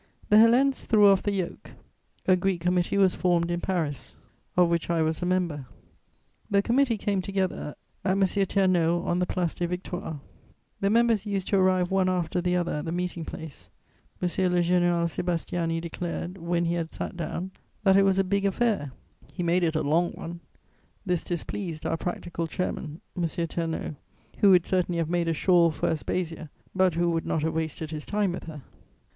The Hellenes threw off the yoke: a Greek Committee was formed in Paris, of which I was a member. The committee came together at M. Ternaux' on the Place des Victoires. The members used to arrive one after the other at the meeting place. M. le Général Sébastiani declared, when he had sat down, that it was a "big affair;" he made it a long one: this displeased our practical chairman, M. Ternaux, who would certainly have made a shawl for Aspasia, but who would not have wasted his time with her.